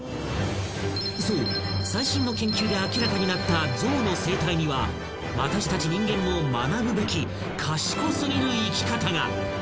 ［そう最新の研究で明らかになったゾウの生態には私たち人間も学ぶべき賢すぎる生き方が］